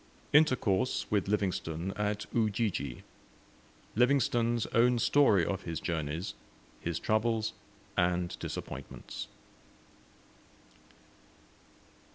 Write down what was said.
INTERCOURSE WITH LIVINGSTONE AT UJIJI LIVINGSTONE'S OWN STORY OF HIS JOURNEYS, HIS TROUBLES, AND DISAPPOINTMENTS.